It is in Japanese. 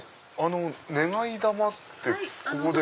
願い玉ってここで？